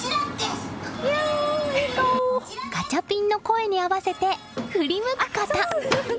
ガチャピンの声に合わせて振りむくこと。